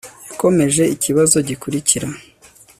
yakomeje ikibazo gikurikira